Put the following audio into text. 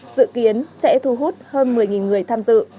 dự kiến sẽ thu hút hơn một mươi người tham dự